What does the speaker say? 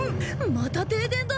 また停電だ！